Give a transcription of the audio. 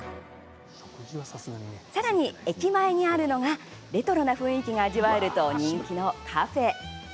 さらに駅前にあるのがレトロな雰囲気が味わえると人気のカフェ。